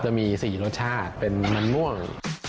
จะมี๔รสชาติเป็นมันม่วง